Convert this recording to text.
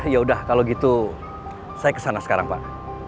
ya udah kalau gitu saya ke sana sekarang pak